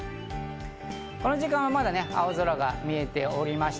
この時間はまだ青空が見えております。